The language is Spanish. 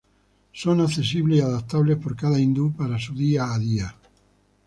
Son accesibles y adaptables por cada hindú para su día a día.